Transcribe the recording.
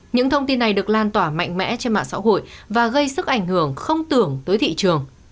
những thông tin này được lan tỏa mạnh mẽ trên mạng xã hội và gây sức ảnh hưởng không tưởng tới thị trường